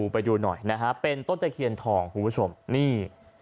ไปดูหน่อยเป็นต้นเจษียนทองคุณผู้ชมนี่